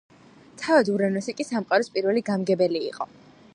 თავად ურანოსი კი სამყაროს პირველი გამგებელი იყო.